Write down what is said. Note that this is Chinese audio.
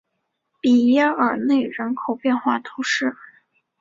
比耶尔内人口变化图示